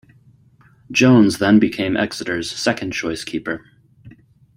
Jones then became Exeter's second choice keeper.